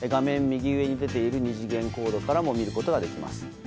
右上に出ている二次元コードからも見ることができます。